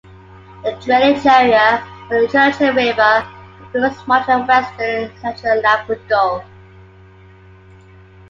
The drainage area for the Churchill River includes much of western and central Labrador.